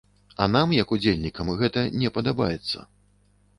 А нам, як удзельнікам, гэта не падабаецца.